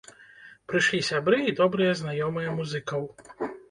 Прыйшлі сябры і добрыя знаёмыя музыкаў.